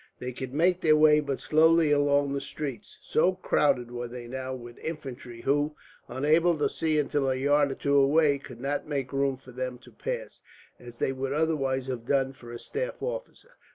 They could make their way but slowly along the streets, so crowded were they now with infantry who, unable to see until a yard or two away, could not make room for them to pass, as they would otherwise have done for a staff officer.